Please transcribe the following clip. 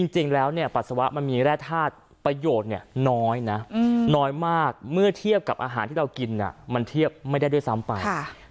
จริงแล้วปัสสาวะมันมีแร่ธาตุประโยชน์น้อยนะน้อยมากเมื่อเทียบกับอาหารที่เรากินมันเทียบไม่ได้ด้วยซ้ำไป